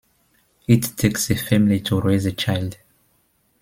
It takes a family to raise a child.